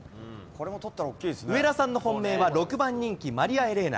上田さんの本命は６番人気、マリアエレーナ。